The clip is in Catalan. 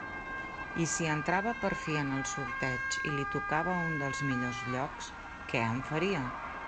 I si entrava per fi en el sorteig i li tocava un dels millors llocs, què en faria?